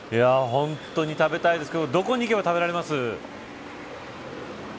本当に食べたいですけどどこに行けば食べられます。